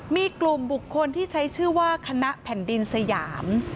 มีกลุ่มบุคคลที่ใช้ชื่อว่าคณะแผ่นดินสยาม